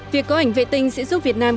việc có ảnh vệ tinh sẽ giúp việt nam